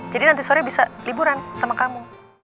jadi nanti sore bisa liburan sama kamu